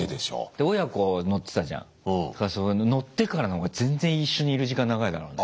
乗ってからのほうが全然一緒にいる時間長いだろうね。